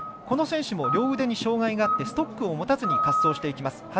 この選手も両腕に障がいがあってストックを持たず滑走していきます。